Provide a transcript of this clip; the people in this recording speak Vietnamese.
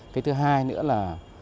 cái thứ hai nữa là